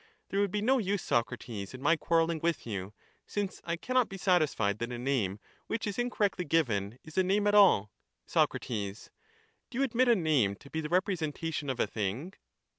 There would be no use, Socrates, in my quarrelling with you, since I cannot be satisfied that a name which is incorrectly given is a name at all. Soc. Do you admit a name to be the representation of a thing?